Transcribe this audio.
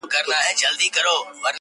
بيا کرار ،کرار د بت و خواته گوري~